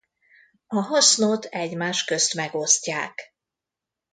A hasznot egymást közt megosztják.